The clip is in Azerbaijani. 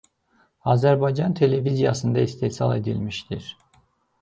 Azərbaycan Televiziyasında istehsal edilmişdir.